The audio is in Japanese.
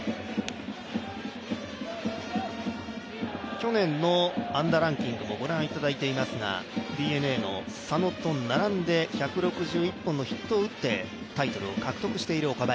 去年の安打ランキングもご覧いただいていますが、ＤｅＮＡの佐野と並んで１６１本のヒットを打ってタイトルを獲得している岡林。